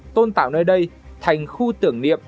tôn tạo nơi đây thành khu tưởng niệm